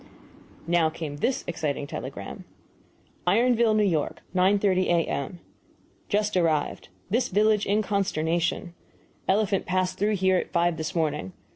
Now came this exciting telegram: IRONVILLE, N. Y., 9.30 A.M. Just arrived. This village in consternation. Elephant passed through here at five this morning.